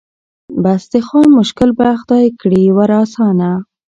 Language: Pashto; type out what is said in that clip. بس د خان مشکل به خدای کړي ور آسانه